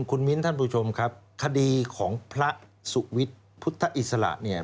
คุณมิ้นท่านผู้ชมครับคดีของพระสุวิทย์พุทธอิสระเนี่ย